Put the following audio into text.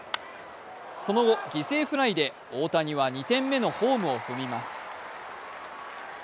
その後犠牲フライで大谷は２点目のホームを踏みます。